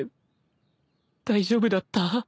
大丈夫だった？